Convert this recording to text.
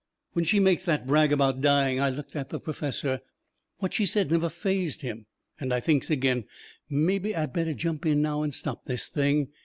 When she makes that brag about dying, I looked at the perfessor. What she said never fazed him. And I thinks agin: "Mebby I better jump in now and stop this thing."